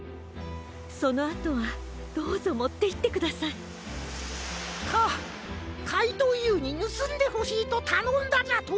そのあとはどうぞもっていってください。かかいとうＵにぬすんでほしいとたのんだじゃと？